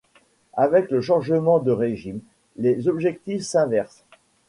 Avec le changement de régime, les objectifs s'inversent.